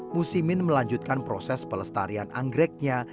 musimin melanjutkan proses pelestarian anggreknya